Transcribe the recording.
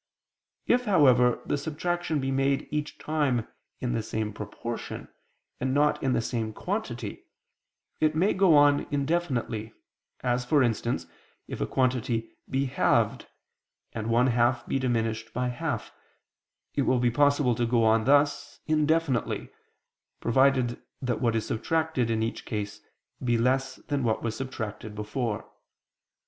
If, however, the subtraction be made each time in the same proportion, and not in the same quantity, it may go on indefinitely, as, for instance, if a quantity be halved, and one half be diminished by half, it will be possible to go on thus indefinitely, provided that what is subtracted in each case be less than what was subtracted before.